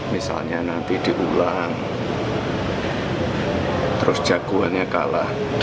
misalnya nanti diulang terus jagoannya kalah